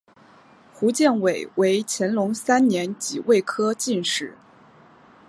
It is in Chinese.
胡建伟为乾隆三年己未科进士。